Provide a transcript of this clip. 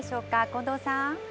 近藤さん。